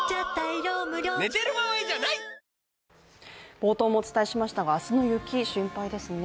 冒頭もお伝えしましたが明日の雪、心配ですね。